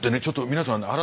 ちょっと皆さん